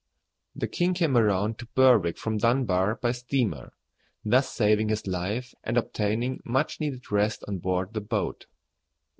The king came around to Berwick from Dunbar by steamer, thus saving his life, and obtaining much needed rest on board the boat.